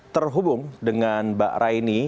selamat pagi mbak raini